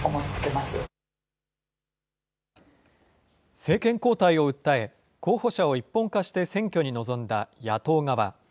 政権交代を訴え、候補者を一本化して選挙に臨んだ野党側。